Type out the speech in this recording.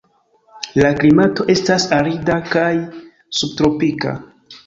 La klimato estas arida kaj subtropika.